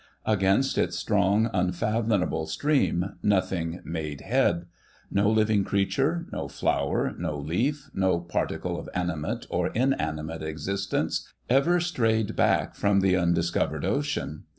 Against its strong, unfathom able stream, nothing made head. No living creature, no flower, no leaf, no particle of animate or inanimate existence, ever strayed back from the undiscovered ocean.